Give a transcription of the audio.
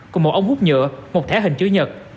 cùng một ống hút nhựa một thẻ hình chữ nhật